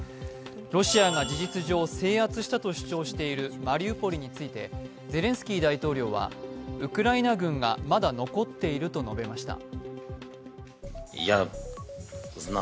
ロシアが事実上、制圧したと主張しているマリウポリについてゼレンスキー大統領はウクライナ軍がまだ残っていると述べました。